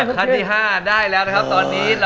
ขั้นที่๕ได้แล้วนะครับตอนนี้